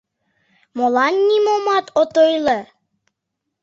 Молан нимомат от ойло?